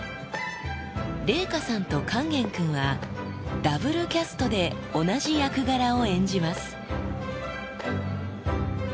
麗禾さんと勸玄君は、ダブルキャストで同じ役柄を演じます。